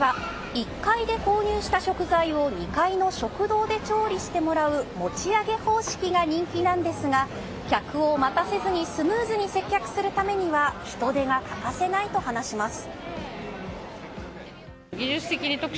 １階で購入した食材を２階の食堂で調理してもらう持ち上げ方式が人気なんですが客を待たせずにスムーズに接客するためには人手が欠かせないとしています。